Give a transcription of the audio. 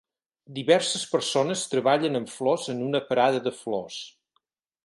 Diverses persones treballen amb flors en una parada de flors.